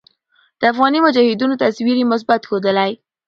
د افغاني مجاهدينو تصوير ئې مثبت ښودلے